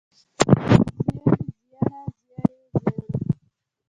زېړ زېړه زېړې زېړو